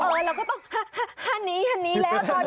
เออเราก็ต้องห้านีห้านีแล้วตอนนี้